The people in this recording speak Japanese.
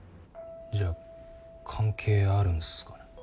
じゃあ関係あるんすかね？